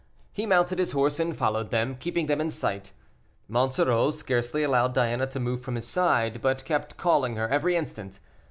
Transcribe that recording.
He mounted his horse and followed them, keeping them in sight. Monsoreau scarcely allowed Diana to move from his side, but kept calling her every instant.